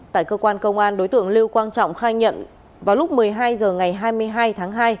tại cơ quan công an đối tượng lưu quang trọng khai nhận vào lúc một mươi hai h ngày hai mươi hai tháng hai